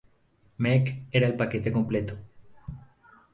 Meg era el paquete completo".